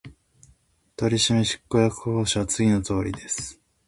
取締役候補者は次のとおりです